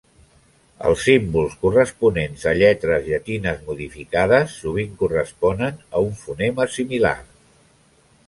Els símbols corresponents a lletres llatines modificades sovint corresponen a un fonema similar.